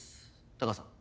タカさん